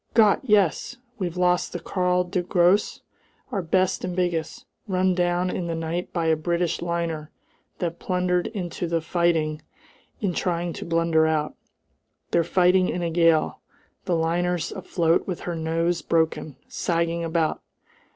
"Gott! Yes! We've lost the Karl der Grosse, our best and biggest. Run down in the night by a British liner that blundered into the fighting in trying to blunder out. They're fighting in a gale. The liner's afloat with her nose broken, sagging about!